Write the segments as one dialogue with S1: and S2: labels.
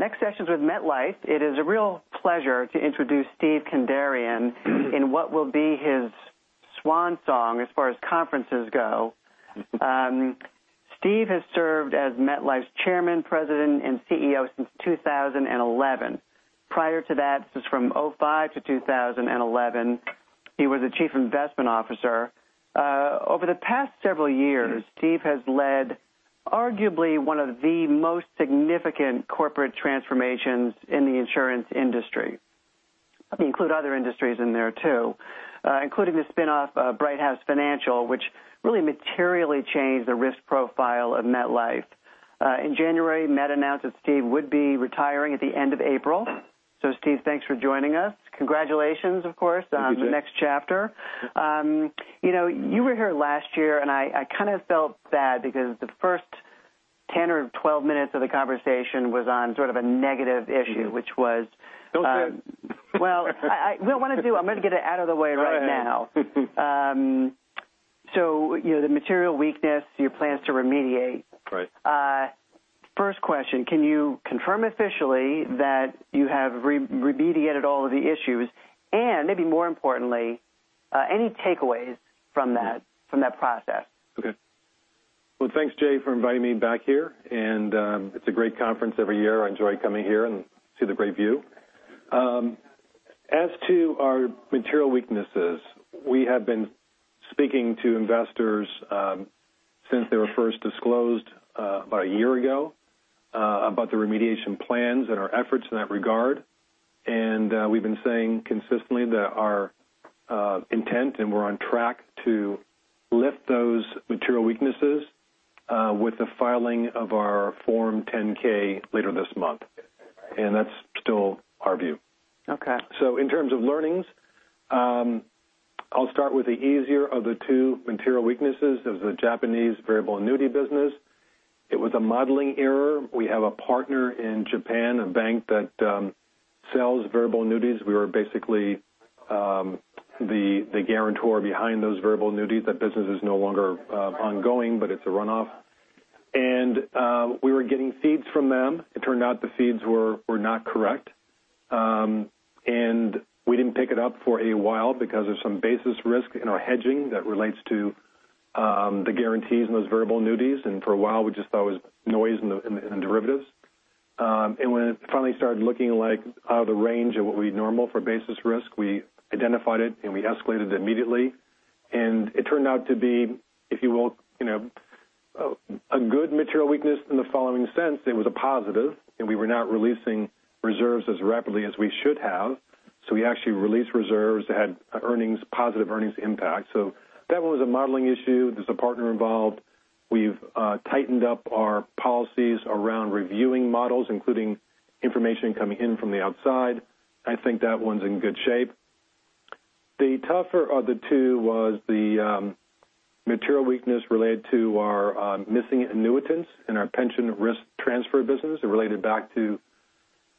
S1: Next session is with MetLife. It is a real pleasure to introduce Steve Kandarian in what will be his swan song as far as conferences go. Steve has served as MetLife's Chairman, President, and CEO since 2011. Prior to that, from 2005 to 2011, he was the Chief Investment Officer. Over the past several years, Steve has led arguably one of the most significant corporate transformations in the insurance industry. You can include other industries in there, too, including the spinoff of Brighthouse Financial, which really materially changed the risk profile of MetLife. In January, Met announced that Steve would be retiring at the end of April. Steve, thanks for joining us. Congratulations, of course-
S2: Thank you, Jay
S1: on the next chapter. You were here last year, and I kind of felt bad because the first 10 or 12 minutes of the conversation was on sort of a negative issue, which was-
S2: Don't say it.
S1: Well, what I want to do, I'm going to get it out of the way right now.
S2: All right.
S1: The material weakness, your plans to remediate.
S2: Right.
S1: First question, can you confirm officially that you have remediated all of the issues? Maybe more importantly, any takeaways from that process?
S2: Well, thanks, Jay, for inviting me back here, and it's a great conference every year. I enjoy coming here and see the great view. As to our material weaknesses, we have been speaking to investors since they were first disclosed about a year ago about the remediation plans and our efforts in that regard. We've been saying consistently that our intent, and we're on track to lift those material weaknesses with the filing of our Form 10-K later this month, and that's still our view.
S1: Okay.
S2: In terms of learnings, I'll start with the easier of the two material weaknesses. It was the Japanese variable annuity business. It was a modeling error. We have a partner in Japan, a bank that sells variable annuities. We were basically the guarantor behind those variable annuities. That business is no longer ongoing, but it's a runoff. We were getting feeds from them. It turned out the feeds were not correct. We didn't pick it up for a while because of some basis risk in our hedging that relates to the guarantees in those variable annuities. For a while, we just thought it was noise in the derivatives. When it finally started looking like out of the range of what would be normal for basis risk, we identified it, and we escalated it immediately. It turned out to be, if you will, a good material weakness in the following sense. It was a positive, and we were not releasing reserves as rapidly as we should have. We actually released reserves that had positive earnings impact. That was a modeling issue. There's a partner involved. We've tightened up our policies around reviewing models, including information coming in from the outside. I think that one's in good shape. The tougher of the two was the material weakness related to our missing annuitants in our pension risk transfer business. It related back to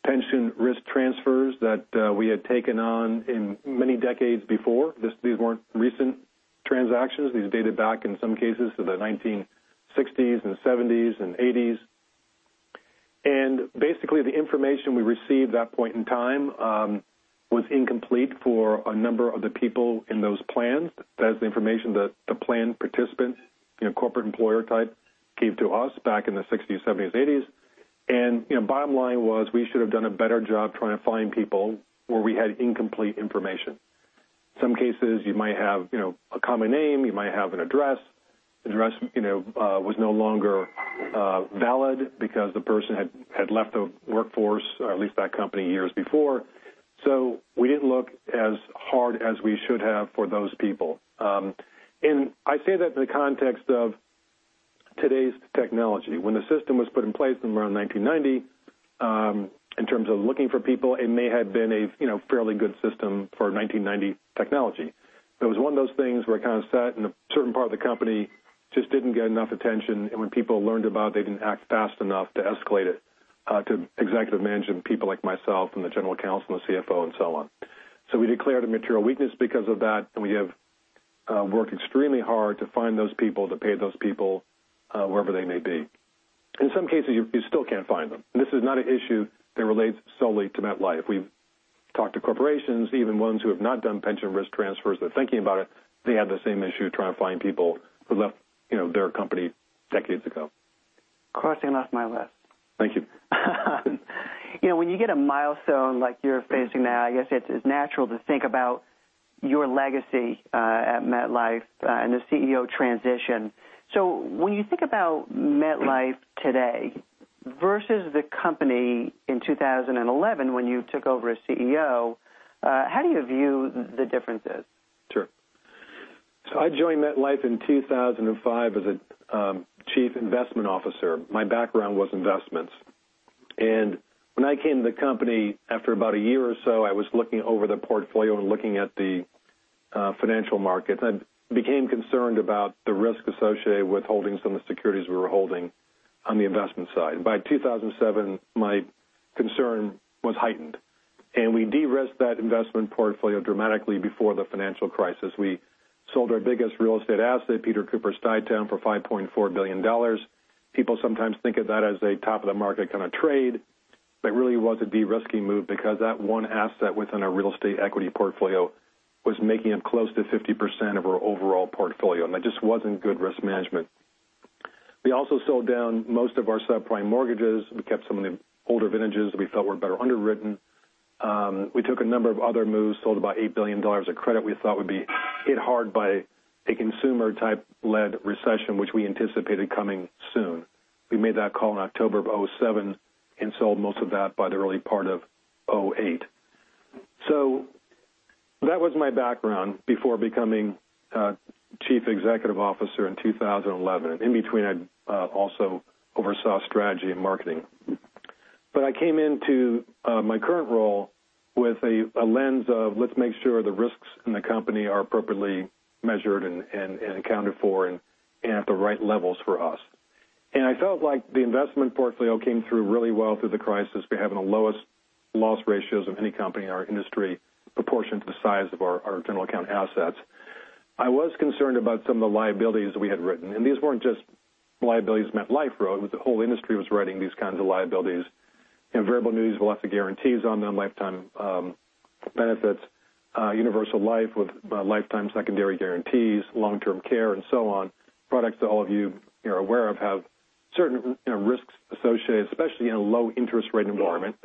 S2: pension risk transfers that we had taken on in many decades before. These weren't recent transactions. These dated back, in some cases, to the 1960s and '70s and '80s. Basically, the information we received at that point in time was incomplete for a number of the people in those plans. That is the information that the plan participants, corporate employer type, gave to us back in the '60s, '70s, and '80s. Bottom line was we should have done a better job trying to find people where we had incomplete information. Some cases, you might have a common name, you might have an address. Address was no longer valid because the person had left the workforce or at least that company years before. We didn't look as hard as we should have for those people. I say that in the context of today's technology. When the system was put in place somewhere around 1990, in terms of looking for people, it may had been a fairly good system for 1990 technology. It was one of those things where it kind of sat in a certain part of the company, just didn't get enough attention, and when people learned about it, they didn't act fast enough to escalate it to executive management people like myself and the general counsel and the CFO and so on. We declared a material weakness because of that, and we have worked extremely hard to find those people, to pay those people wherever they may be. In some cases, you still can't find them. This is not an issue that relates solely to MetLife. We've talked to corporations, even ones who have not done pension risk transfers. They're thinking about it. They have the same issue trying to find people who left their company decades ago.
S1: Crossing off my list.
S2: Thank you.
S1: When you get a milestone like you're facing now, I guess it's natural to think about your legacy at MetLife and the CEO transition. When you think about MetLife today versus the company in 2011 when you took over as CEO, how do you view the differences?
S2: Sure. I joined MetLife in 2005 as a Chief Investment Officer. My background was investments. When I came to the company, after about a year or so, I was looking over the portfolio and looking at the financial markets. I became concerned about the risk associated with holdings on the securities we were holding on the investment side. By 2007, my concern was heightened. We de-risked that investment portfolio dramatically before the financial crisis. We sold our biggest real estate asset, Peter Cooper Stuytown, for $5.4 billion. People sometimes think of that as a top-of-the-market kind of trade. That really was a de-risking move because that one asset within our real estate equity portfolio was making up close to 50% of our overall portfolio, and that just wasn't good risk management. We also sold down most of our subprime mortgages. We kept some of the older vintages that we felt were better underwritten. We took a number of other moves, sold about $8 billion of credit we thought would be hit hard by a consumer-type led recession, which we anticipated coming soon. We made that call in October of 2007 and sold most of that by the early part of 2008. That was my background before becoming Chief Executive Officer in 2011. In between, I also oversaw strategy and marketing. I came into my current role with a lens of let's make sure the risks in the company are appropriately measured and accounted for and at the right levels for us. I felt like the investment portfolio came through really well through the crisis. We have one of the lowest loss ratios of any company in our industry proportion to the size of our general account assets. I was concerned about some of the liabilities we had written, and these weren't just liabilities MetLife wrote. The whole industry was writing these kinds of liabilities. Variable annuities with lots of guarantees on them, lifetime benefits, universal life with lifetime secondary guarantees, long-term care, and so on. Products that all of you are aware of have certain risks associated, especially in a low-interest rate environment.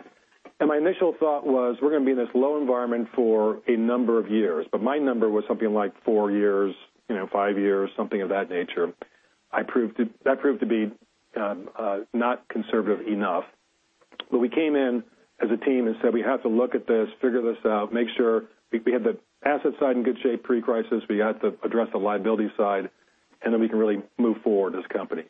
S2: My initial thought was, we're going to be in this low environment for a number of years. My number was something like four years, five years, something of that nature. That proved to be not conservative enough. We came in as a team and said, we have to look at this, figure this out, make sure we have the asset side in good shape pre-crisis. We have to address the liability side, then we can really move forward as a company.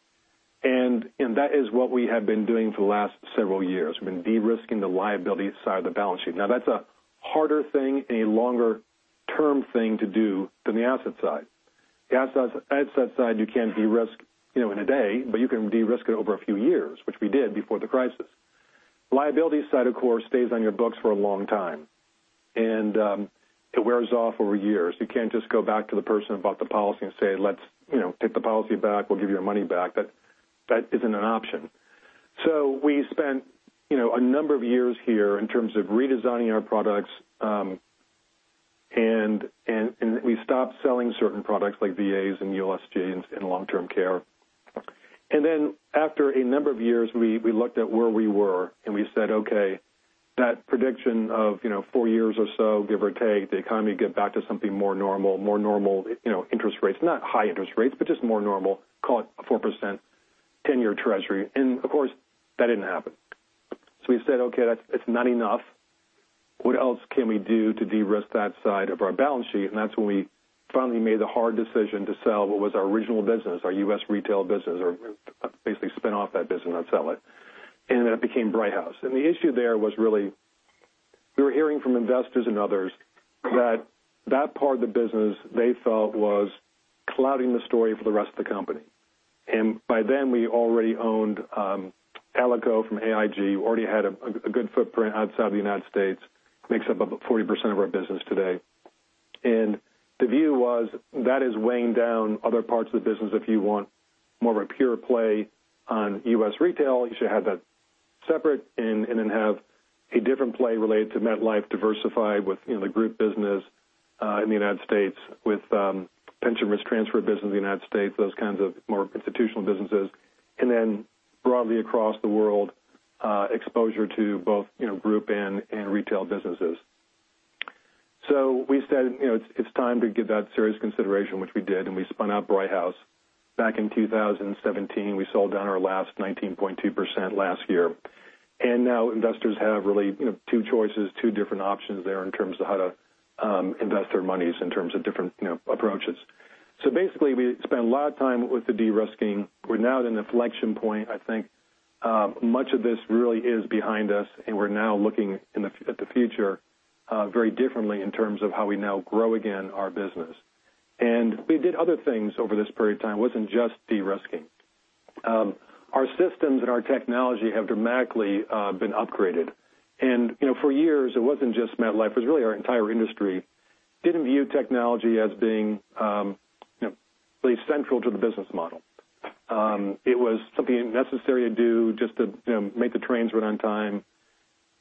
S2: That is what we have been doing for the last several years. We've been de-risking the liability side of the balance sheet. That's a harder thing and a longer-term thing to do than the asset side. The asset side you can de-risk in a day, you can de-risk it over a few years, which we did before the crisis. Liability side, of course, stays on your books for a long time, and it wears off over years. You can't just go back to the person who bought the policy and say, "Let's take the policy back. We'll give you your money back." That isn't an option. We spent a number of years here in terms of redesigning our products. We stopped selling certain products like VAs and USGs and long-term care. After a number of years, we looked at where we were and we said, okay, that prediction of four years or so, give or take, the economy get back to something more normal. More normal interest rates, not high-interest rates, but just more normal, call it a 4% 10-year treasury. Of course, that didn't happen. We said, okay, it's not enough. What else can we do to de-risk that side of our balance sheet? That's when we finally made the hard decision to sell what was our original business, our U.S. retail business, or basically spin off that business and sell it. Then it became Brighthouse. The issue there was really we were hearing from investors and others that that part of the business they felt was clouding the story for the rest of the company. By then, we already owned Alico from AIG. We already had a good footprint outside of the U.S. Makes up about 40% of our business today. The view was that is weighing down other parts of the business. If you want more of a pure play on U.S. retail, you should have that separate and then have a different play related to MetLife diversified with the group business, in the U.S. with pension risk transfer business in the U.S., those kinds of more institutional businesses. Broadly across the world, exposure to both group and retail businesses. We said it's time to give that serious consideration, which we did, and we spun out Brighthouse back in 2017. We sold down our last 19.2% last year. Now investors have really two choices, two different options there in terms of how to invest their monies in terms of different approaches. Basically, we spent a lot of time with the de-risking. We're now at an inflection point. I think much of this really is behind us, and we're now looking at the future very differently in terms of how we now grow again our business. We did other things over this period of time. It wasn't just de-risking. Our systems and our technology have dramatically been upgraded. For years, it wasn't just MetLife. It was really our entire industry didn't view technology as being central to the business model. It was something necessary to do just to make the trains run on time.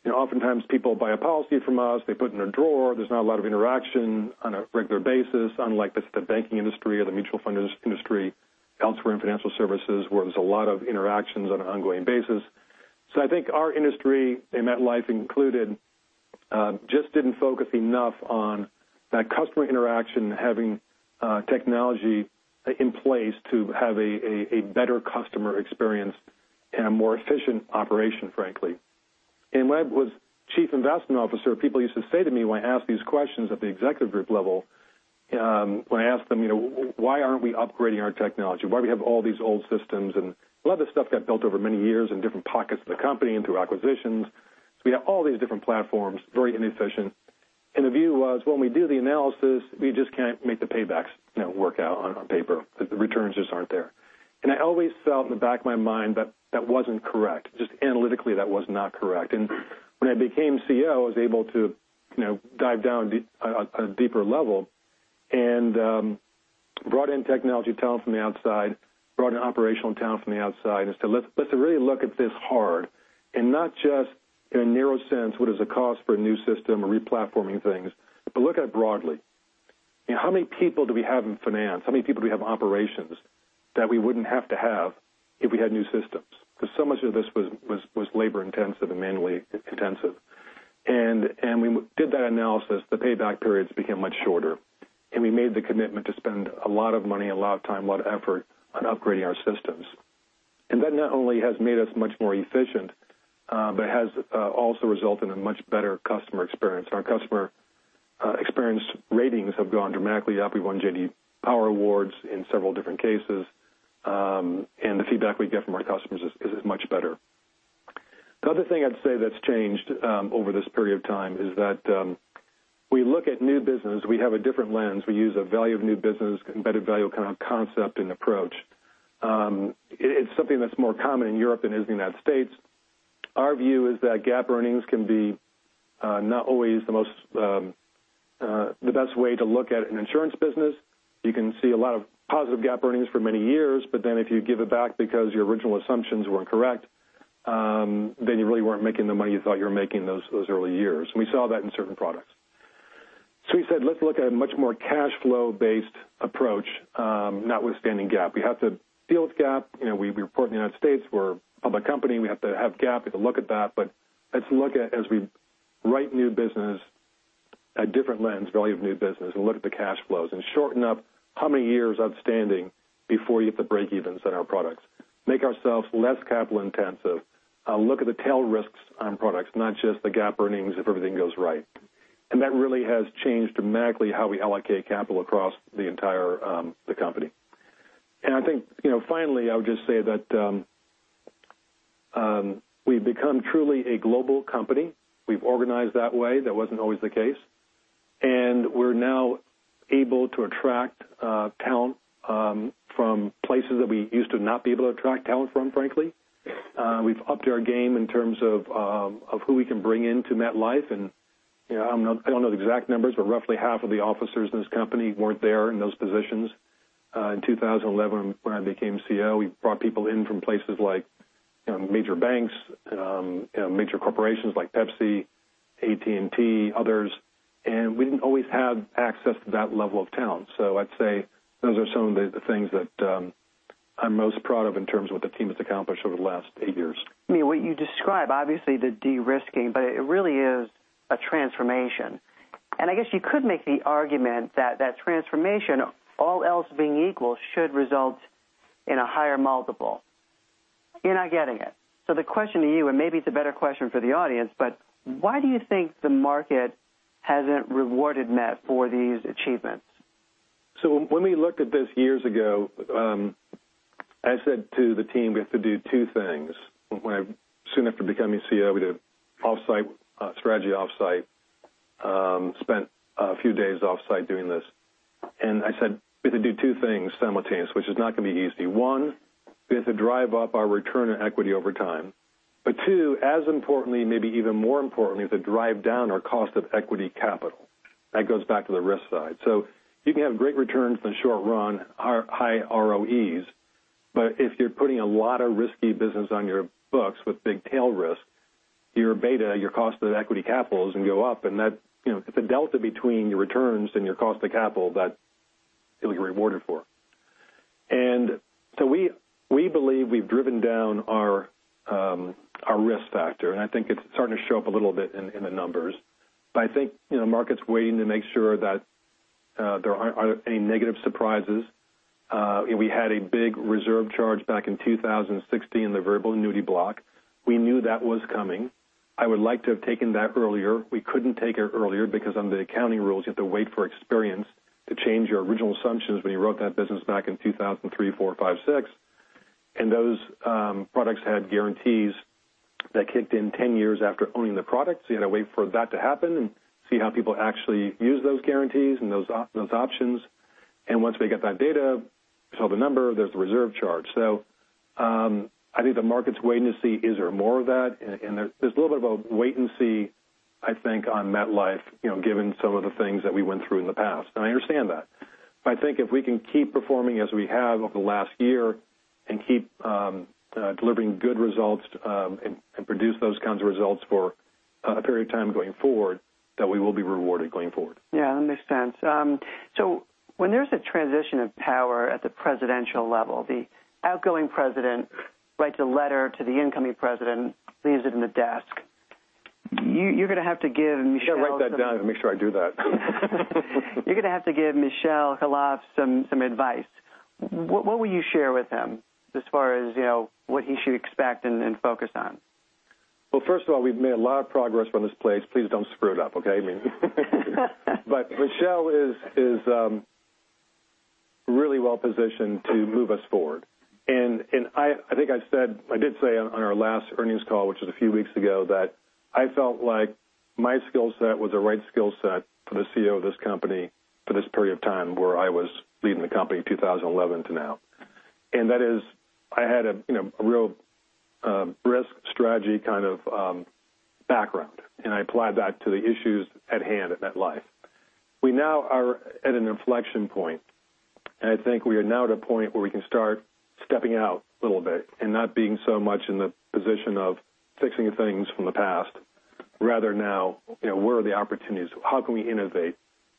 S2: Oftentimes people buy a policy from us, they put it in a drawer. There's not a lot of interaction on a regular basis, unlike the banking industry or the mutual fund industry elsewhere in financial services, where there's a lot of interactions on an ongoing basis. I think our industry, and MetLife included, just didn't focus enough on that customer interaction, having technology in place to have a better customer experience and a more efficient operation, frankly. When I was Chief Investment Officer, people used to say to me when I asked these questions at the executive group level, when I asked them why aren't we upgrading our technology? Why do we have all these old systems? A lot of this stuff got built over many years in different pockets of the company and through acquisitions. We have all these different platforms, very inefficient. The view was when we do the analysis, we just can't make the paybacks work out on paper. The returns just aren't there. I always felt in the back of my mind that that wasn't correct. Just analytically, that was not correct. When I became CEO, I was able to dive down a deeper level and brought in technology talent from the outside, brought in operational talent from the outside and said, "Let's really look at this hard," and not just in a narrow sense, what is the cost for a new system or re-platforming things, but look at it broadly. How many people do we have in finance? How many people do we have in operations that we wouldn't have to have if we had new systems? Because so much of this was labor-intensive and manually intensive. We did that analysis. The payback periods became much shorter. We made the commitment to spend a lot of money, a lot of time, a lot of effort on upgrading our systems. That not only has made us much more efficient, but has also resulted in a much better customer experience. Our customer experience ratings have gone dramatically up. We've won J.D. Power Awards in several different cases, and the feedback we get from our customers is much better. The other thing I'd say that's changed over this period of time is that we look at new business, we have a different lens. We use a value of new business, embedded value of concept and approach. It's something that's more common in Europe than it is in the U.S. Our view is that GAAP earnings can be not always the best way to look at an insurance business. You can see a lot of positive GAAP earnings for many years, but then if you give it back because your original assumptions weren't correct, then you really weren't making the money you thought you were making those early years. We saw that in certain products. We said, let's look at a much more cash flow-based approach notwithstanding GAAP. We have to deal with GAAP. We report in the U.S. We're a public company. We have to have GAAP. We have to look at that, let's look at, as we write new business, a different lens, value of new business, and look at the cash flows and shorten up how many years outstanding before you hit the breakevens in our products. Make ourselves less capital intensive. Look at the tail risks on products, not just the GAAP earnings if everything goes right. That really has changed dramatically how we allocate capital across the entire company. I think finally, I would just say that we've become truly a global company. We've organized that way. That wasn't always the case. We're now able to attract talent from places that we used to not be able to attract talent from, frankly. We've upped our game in terms of who we can bring into MetLife, I don't know the exact numbers, but roughly half of the officers in this company weren't there in those positions. In 2011, when I became CEO, we brought people in from places like major banks, major corporations like Pepsi, AT&T, others, and we didn't always have access to that level of talent. I'd say those are some of the things that I'm most proud of in terms of what the team has accomplished over the last eight years.
S1: What you describe, obviously the de-risking, but it really is a transformation. I guess you could make the argument that that transformation, all else being equal, should result in a higher multiple. You're not getting it. The question to you, and maybe it's a better question for the audience, but why do you think the market hasn't rewarded Met for these achievements?
S2: When we looked at this years ago, I said to the team, we have to do two things. Soon after becoming CEO, we did a strategy offsite, spent a few days offsite doing this, I said we have to do two things simultaneous, which is not going to be easy. One, we have to drive up our return on equity over time. Two, as importantly, maybe even more importantly, we have to drive down our cost of equity capital. That goes back to the risk side. You can have great returns in the short run, high ROEs, but if you're putting a lot of risky business on your books with big tail risk, your beta, your cost of equity capital is going to go up, and it's a delta between your returns and your cost of capital that you'll get rewarded for. We believe we've driven down our risk factor, I think it's starting to show up a little bit in the numbers. I think the market's waiting to make sure that there aren't any negative surprises. We had a big reserve charge back in 2016, the variable annuity block. We knew that was coming. I would like to have taken that earlier. We couldn't take it earlier because under the accounting rules, you have to wait for experience to change your original assumptions when you wrote that business back in 2003, 2004, 2005, 2006. Those products had guarantees that kicked in 10 years after owning the product. You had to wait for that to happen and see how people actually use those guarantees and those options. Once we get that data, we saw the number, there's the reserve charge. I think the market's waiting to see is there more of that, and there's a little bit of a wait and see, I think, on MetLife, given some of the things that we went through in the past. I understand that. I think if we can keep performing as we have over the last year and keep delivering good results and produce those kinds of results for a period of time going forward, that we will be rewarded going forward.
S1: Yeah, that makes sense. When there's a transition of power at the presidential level, the outgoing president writes a letter to the incoming president, leaves it in the desk. You're going to have to give Michelle-
S2: I got to write that down and make sure I do that.
S1: You're going to have to give Michel Khalaf some advice. What will you share with him as far as what he should expect and focus on?
S2: Well, first of all, we've made a lot of progress on this place. Please don't screw it up, okay? Michel is really well positioned to move us forward. I think I did say on our last earnings call, which was a few weeks ago, that I felt like my skill set was the right skill set for the CEO of this company for this period of time where I was leading the company in 2011 to now. That is, I had a real risk strategy kind of background, and I applied that to the issues at hand at MetLife. We now are at an inflection point, and I think we are now at a point where we can start stepping out a little bit and not being so much in the position of fixing things from the past. Rather now, where are the opportunities? How can we innovate?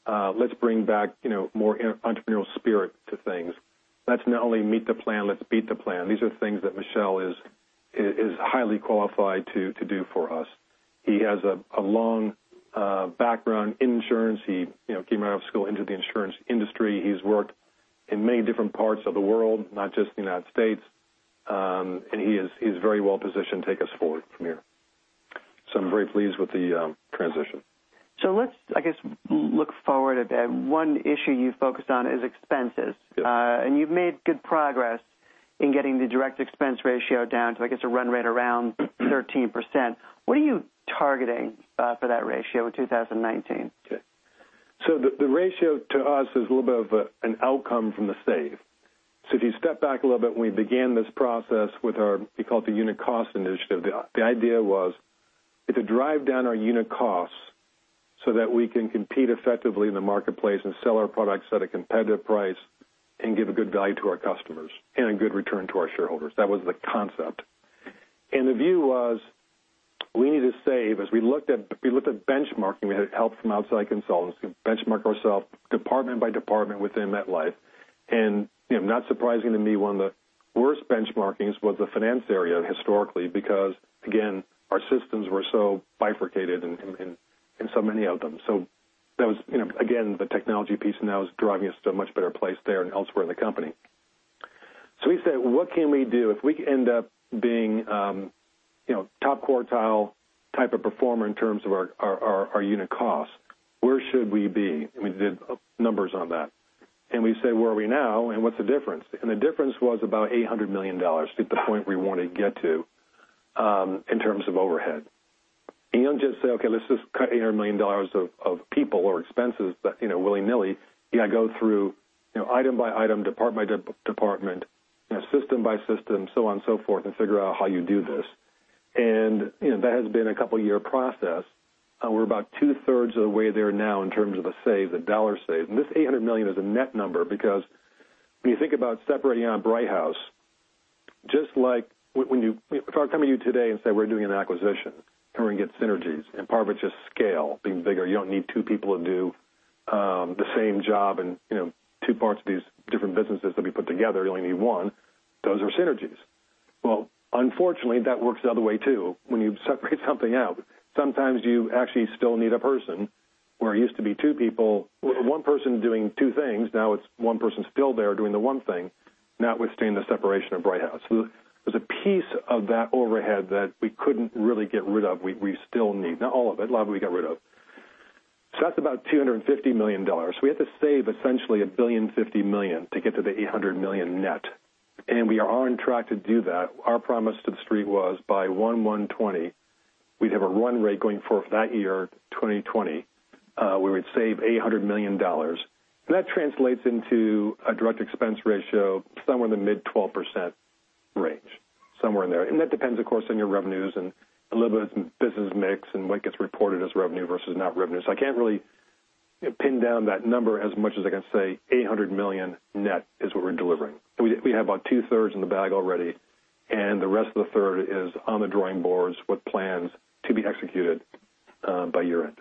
S2: Let's bring back more entrepreneurial spirit to things. Let's not only meet the plan, let's beat the plan. These are things that Michel is highly qualified to do for us. He has a long background in insurance. He came out of school into the insurance industry. He's worked in many different parts of the world, not just the United States. He is very well positioned to take us forward from here. I'm very pleased with the transition.
S1: Let's look forward a bit. One issue you focused on is expenses.
S2: Yes.
S1: You've made good progress in getting the direct expense ratio down to, I guess, a run rate around 13%. What are you targeting for that ratio in 2019?
S2: The ratio to us is a little bit of an outcome from the save. If you step back a little bit, when we began this process with our, we call it the Unit Cost Initiative, the idea was to drive down our unit costs so that we can compete effectively in the marketplace and sell our products at a competitive price and give a good value to our customers and a good return to our shareholders. That was the concept. The view was, we need to save. As we looked at benchmarking, we had help from outside consultants. We benchmarked ourselves department by department within MetLife. Not surprising to me, one of the worst benchmarkings was the finance area historically, because again, our systems were so bifurcated and so many of them. That was, again, the technology piece now is driving us to a much better place there and elsewhere in the company. We said, what can we do if we end up being top quartile type of performer in terms of our unit cost? Where should we be? We did numbers on that. We say, where are we now and what's the difference? The difference was about $800 million to get the point we want to get to in terms of overhead. You don't just say, okay, let's just cut $800 million of people or expenses willy-nilly. You got to go through item by item, department by department, system by system, so on and so forth, and figure out how you do this. That has been a couple year process. We're about two-thirds of the way there now in terms of the save, the dollar save. This $800 million is a net number because when you think about separating out Brighthouse, just like if I were coming to you today and say we're doing an acquisition and we're going to get synergies and part of it's just scale, being bigger. You don't need two people to do the same job and two parts of these different businesses that we put together, you only need one. Those are synergies. Well, unfortunately, that works the other way, too. When you separate something out, sometimes you actually still need a person where it used to be two people, one person doing two things. Now it's one person still there doing the one thing, notwithstanding the separation of Brighthouse. There's a piece of that overhead that we couldn't really get rid of, we still need. Not all of it. A lot of it we got rid of. That's about $250 million. We have to save essentially $1,050 million to get to the $800 million net, and we are on track to do that. Our promise to the street was by 1/1/2020, we'd have a run rate going forward for that year, 2020 where we'd save $800 million. That translates into a Direct Expense Ratio somewhere in the mid 12% range, somewhere in there. That depends, of course, on your revenues and a little bit of business mix and what gets reported as revenue versus not revenue. I can't really pin down that number as much as I can say $800 million net is what we're delivering. We have about two-thirds in the bag already, the rest of the third is on the drawing boards with plans to be executed by year-end.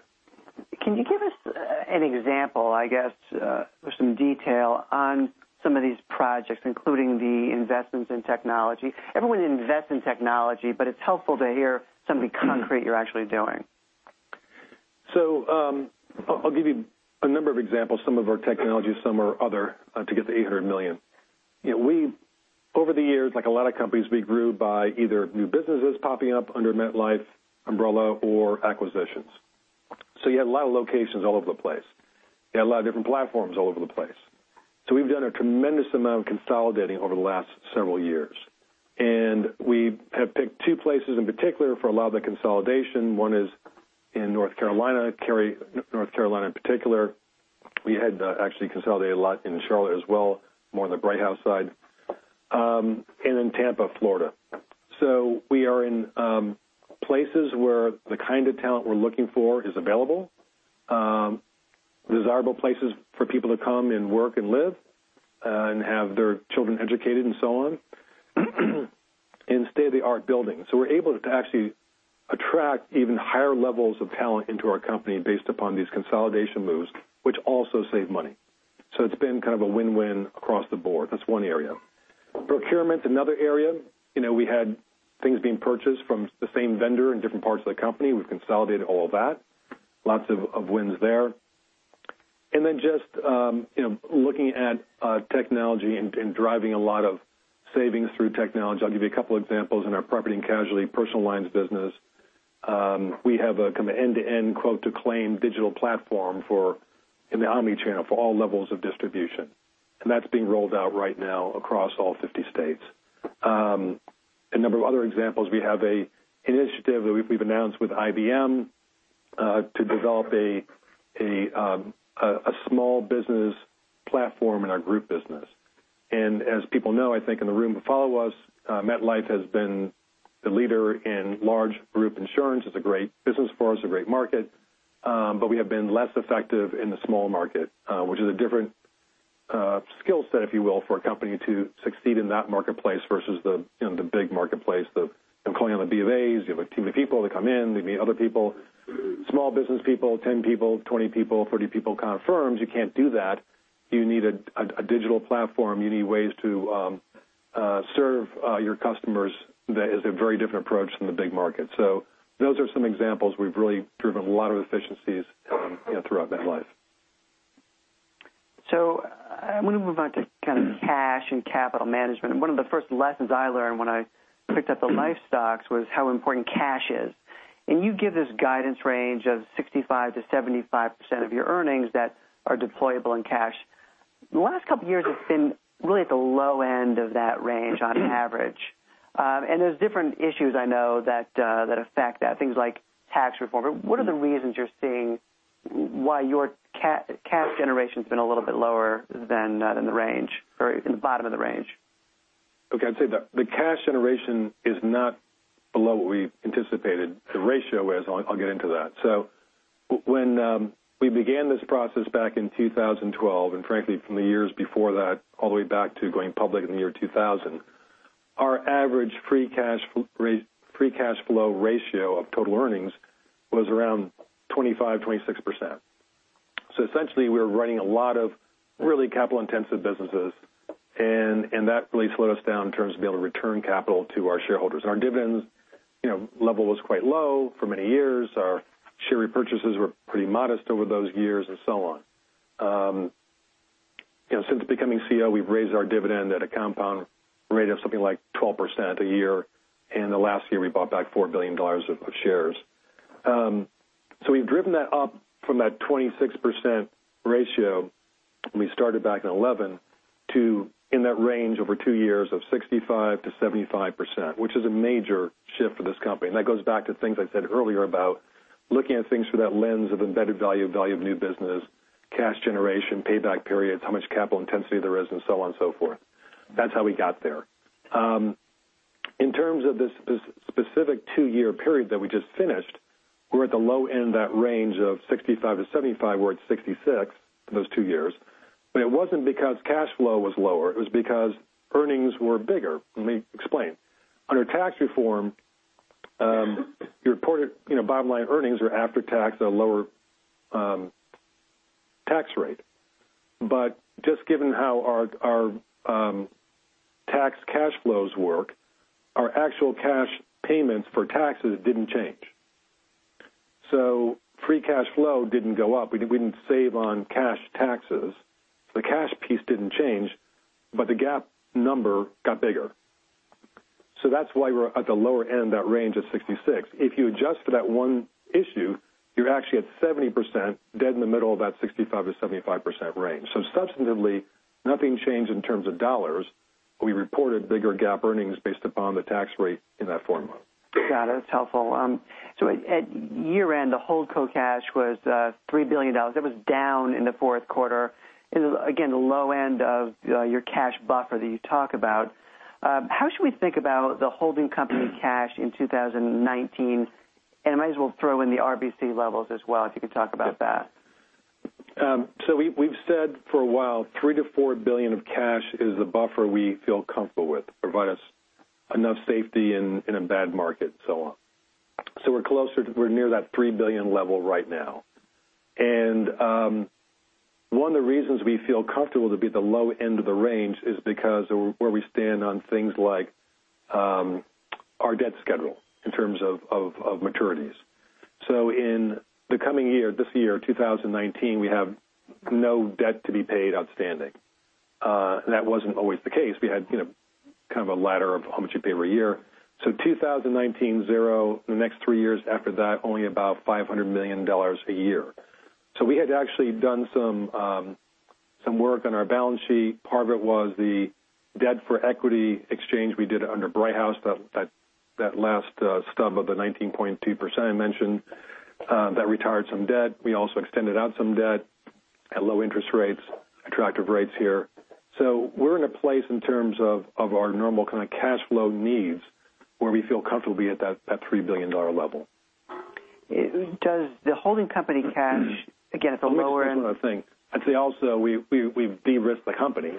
S1: Can you give us an example, I guess, or some detail on some of these projects, including the investments in technology? Everyone invests in technology, it's helpful to hear something concrete you're actually doing.
S2: I'll give you a number of examples. Some are technology, some are other to get to $800 million. Over the years, like a lot of companies, we grew by either new businesses popping up under MetLife umbrella or acquisitions. You had a lot of locations all over the place. You had a lot of different platforms all over the place. We've done a tremendous amount of consolidating over the last several years, and we have picked two places in particular for a lot of the consolidation. One is in North Carolina, Cary, North Carolina in particular. We had actually consolidated a lot in Charlotte as well, more on the Brighthouse side, and in Tampa, Florida. We are in places where the kind of talent we're looking for is available desirable places for people to come and work and live and have their children educated and so on, and state-of-the-art buildings. We're able to actually attract even higher levels of talent into our company based upon these consolidation moves, which also save money. It's been kind of a win-win across the board. That's one area. Procurement, another area. We had things being purchased from the same vendor in different parts of the company. We've consolidated all of that. Lots of wins there. Just looking at technology and driving a lot of savings through technology. I'll give you a couple examples in our property and casualty personal lines business. We have a kind of end-to-end quote-to-claim digital platform in the omnichannel for all levels of distribution, and that's being rolled out right now across all 50 states. A number of other examples, we have an initiative that we've announced with IBM to develop a small business platform in our group business. As people know, I think in the room who follow us, MetLife has been the leader in large group insurance. It's a great business for us, a great market. We have been less effective in the small market, which is a different skill set, if you will, for a company to succeed in that marketplace versus the big marketplace, the calling on the B of A's, you have a team of people that come in, they meet other people, small business people, 10 people, 20 people, 30 people kind of firms, you can't do that. You need a digital platform. You need ways to serve your customers that is a very different approach than the big market. Those are some examples. We've really driven a lot of efficiencies throughout MetLife.
S1: I want to move on to kind of cash and capital management. One of the first lessons I learned when I picked up the life stocks was how important cash is. You give this guidance range of 65%-75% of your earnings that are deployable in cash. The last couple years, it's been really at the low end of that range on average. There's different issues I know that affect that, things like tax reform. What are the reasons you're seeing why your cash generation's been a little bit lower than the range or in the bottom of the range?
S2: Okay. I'd say the cash generation is not below what we anticipated. The ratio is, I'll get into that. When we began this process back in 2012, and frankly from the years before that, all the way back to going public in the year 2000, our average free cash flow ratio of total earnings was around 25%-26%. Essentially, we were running a lot of really capital-intensive businesses, and that really slowed us down in terms of being able to return capital to our shareholders. Our dividends level was quite low for many years. Our share repurchases were pretty modest over those years and so on. Since becoming CEO, we've raised our dividend at a compound rate of something like 12% a year, the last year we bought back $4 billion of shares. We've driven that up from that 26% ratio when we started back in 2011 to in that range over two years of 65%-75%, which is a major shift for this company. That goes back to things I said earlier about looking at things through that lens of embedded value of new business, cash generation, payback periods, how much capital intensity there is, and so on and so forth. That's how we got there. In terms of this specific two-year period that we just finished, we're at the low end of that range of 65-75. We're at 66 for those two years. It wasn't because cash flow was lower, it was because earnings were bigger. Let me explain. Under tax reform, your bottom line earnings are after tax at a lower tax rate. Just given how our tax cash flows work, our actual cash payments for taxes didn't change. Free cash flow didn't go up. We didn't save on cash taxes. The cash piece didn't change, but the GAAP number got bigger. That's why we're at the lower end of that range of 66. If you adjust for that one issue, you're actually at 70%, dead in the middle of that 65%-75% range. Substantively, nothing changed in terms of dollars. We reported bigger GAAP earnings based upon the tax rate in that formula.
S1: Got it. That's helpful. At year-end, the holdco cash was $3 billion. It was down in the fourth quarter. Again, the low end of your cash buffer that you talk about. How should we think about the holding company cash in 2019? I might as well throw in the RBC levels as well, if you could talk about that.
S2: We've said for a while, $3 billion-$4 billion of cash is the buffer we feel comfortable with to provide us enough safety in a bad market, so on. We're near that $3 billion level right now. One of the reasons we feel comfortable to be at the low end of the range is because of where we stand on things like our debt schedule in terms of maturities. In the coming year, this year, 2019, we have no debt to be paid outstanding. That wasn't always the case. We had kind of a ladder of how much we pay per year. 2019, zero. The next three years after that, only about $500 million a year. We had actually done some work on our balance sheet. Part of it was the debt for equity exchange we did under Brighthouse, that last stub of the 19.2% I mentioned that retired some debt. We also extended out some debt at low interest rates, attractive rates here. We're in a place in terms of our normal kind of cash flow needs where we feel comfortable being at that $3 billion level.
S1: Does the holding company cash, again, at the lower end?
S2: Let me just say one other thing. I'd say also, we've de-risked the company,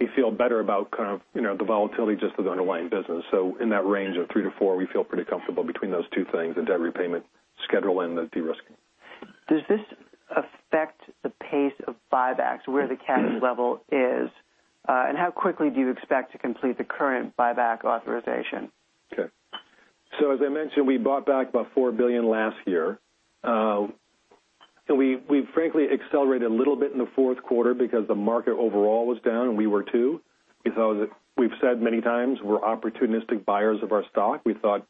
S2: we feel better about kind of the volatility just of the underlying business. In that range of three to four, we feel pretty comfortable between those two things, the debt repayment schedule and the de-risking.
S1: Does this affect the pace of buybacks, where the cash level is? How quickly do you expect to complete the current buyback authorization?
S2: As I mentioned, we bought back about $4 billion last year. We frankly accelerated a little bit in the fourth quarter because the market overall was down, and we were too. We've said many times, we're opportunistic buyers of our stock. We thought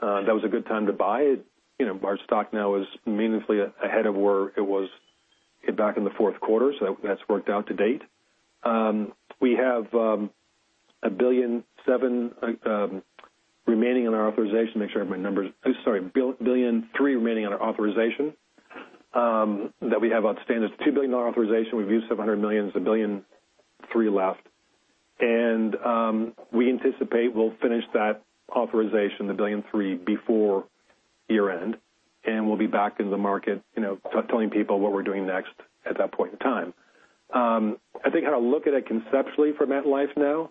S2: that was a good time to buy it. Our stock now is meaningfully ahead of where it was back in the fourth quarter, that's worked out to date. We have $1.3 billion remaining on our authorization that we have outstanding. It's a $2 billion authorization. We've used $700 million. There's $1.3 billion left. We anticipate we'll finish that authorization, the $1.3 billion, before year-end, and we'll be back in the market telling people what we're doing next at that point in time. I think how to look at it conceptually for MetLife now,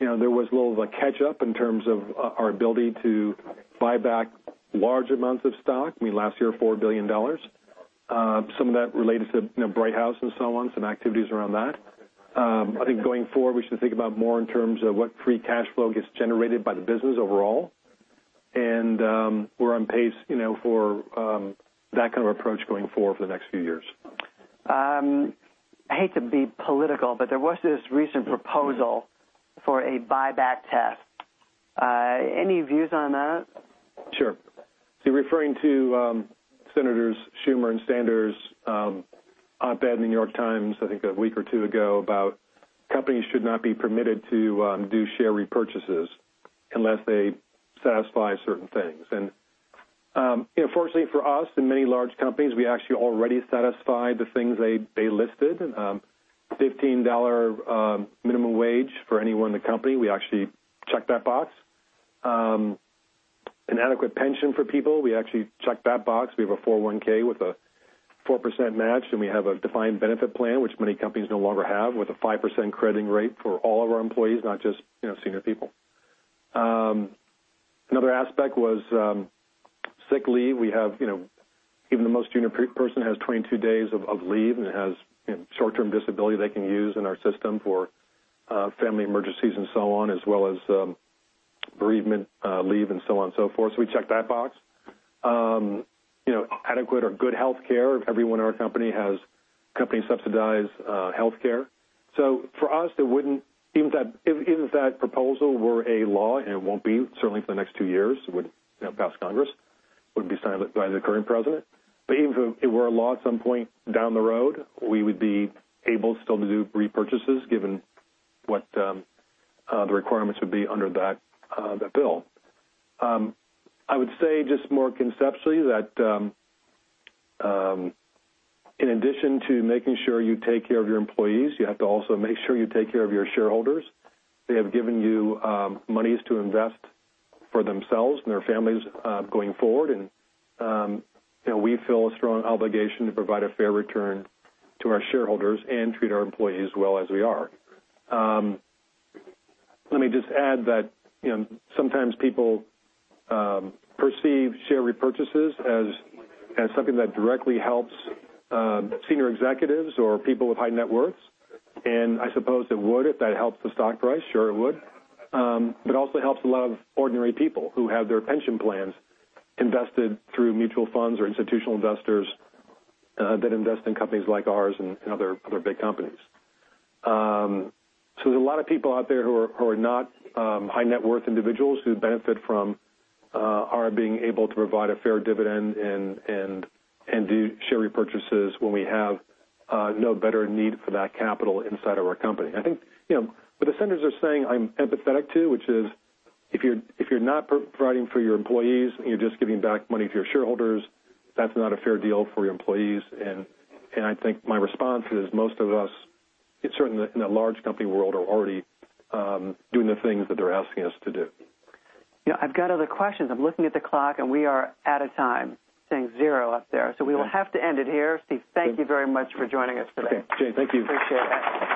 S2: there was a little of a catch-up in terms of our ability to buy back large amounts of stock. I mean, last year, $4 billion. Some of that related to Brighthouse and so on, some activities around that. I think going forward, we should think about more in terms of what free cash flow gets generated by the business overall. We're on pace for that kind of approach going forward for the next few years.
S1: I hate to be political, there was this recent proposal for a buyback test. Any views on that?
S2: Sure. You're referring to Senators Schumer and Sanders' op-ed in "The New York Times," I think a week or two ago, about companies should not be permitted to do share repurchases unless they satisfy certain things. Fortunately for us and many large companies, we actually already satisfy the things they listed. $15 minimum wage for anyone in the company, we actually check that box. An adequate pension for people, we actually check that box. We have a 401 with a 4% match, and we have a defined benefit plan, which many companies no longer have, with a 5% crediting rate for all of our employees, not just senior people. Another aspect was sick leave. Even the most junior person has 22 days of leave and has short-term disability they can use in our system for family emergencies and so on, as well as bereavement leave and so on and so forth. We check that box. Adequate or good healthcare. Everyone in our company has company-subsidized healthcare. For us, even if that proposal were a law, and it won't be, certainly for the next two years. It wouldn't pass Congress, wouldn't be signed by the current president. Even if it were a law at some point down the road, we would be able still to do repurchases given what the requirements would be under that bill. I would say just more conceptually that in addition to making sure you take care of your employees, you have to also make sure you take care of your shareholders. They have given you monies to invest for themselves and their families going forward, and we feel a strong obligation to provide a fair return to our shareholders and treat our employees well as we are. Let me just add that sometimes people perceive share repurchases as something that directly helps senior executives or people with high net worth. I suppose it would if that helps the stock price. Sure, it would. It also helps a lot of ordinary people who have their pension plans invested through mutual funds or institutional investors that invest in companies like ours and other big companies. There's a lot of people out there who are not high net worth individuals who benefit from our being able to provide a fair dividend and do share repurchases when we have no better need for that capital inside of our company. I think what the Senators are saying, I'm empathetic to, which is if you're not providing for your employees and you're just giving back money to your shareholders, that's not a fair deal for your employees. I think my response is most of us, certainly in the large company world, are already doing the things that they're asking us to do.
S1: I've got other questions. I'm looking at the clock, we are out of time. It's saying zero up there. We will have to end it here. Steve, thank you very much for joining us today.
S2: Okay. Jay, thank you.
S1: Appreciate it.